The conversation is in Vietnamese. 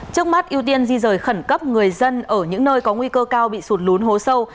trước mắt ưu tiên di rời khẩn cấp người dân ở những nơi có nguy cơ cao bị sụt lún hố sâu